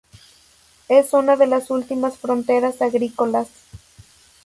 Es una de las últimas fronteras agrícolas.